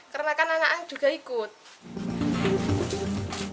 karena kan anak anak juga ikut